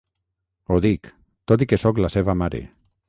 Ho dic, tot i que sóc la seva mare.